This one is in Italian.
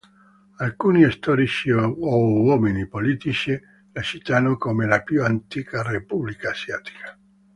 Alcuni storici o uomini politici la citano come la più antica repubblica asiatica.